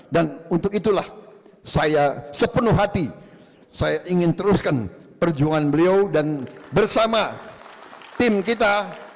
dan untuk itulah saya sepenuh hati saya ingin teruskan perjuangan beliau dan bersama tim kita